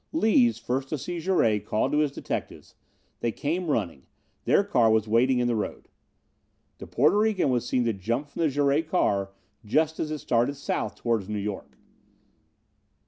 Lees, first to see Jouret, called his detectives. They came running. Their car was waiting in the road. The Porto Rican was seen to jump from the Jouret car just as it started south towards New York.